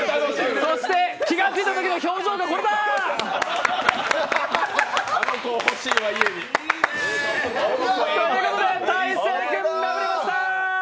そして、気が付いたときの表情がこれだ！ということで、大晴君敗れました。